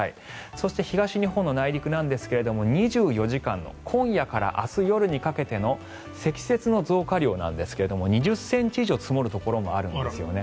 そして、東日本の内陸なんですが２４時間の今夜から明日の朝にかけての積雪の増加量なんですが２０ｃｍ以上積もるところもあるんですよね。